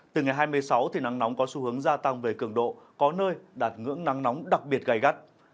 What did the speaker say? từ ngày hai mươi sáu thì nắng nóng có xu hướng gia tăng về cường độ có nơi đạt ngưỡng nắng nóng đặc biệt gai gắt